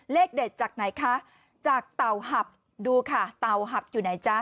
เลขเด็ดจากไหนคะจากเต่าหับดูค่ะเต่าหับอยู่ไหนจ๊ะ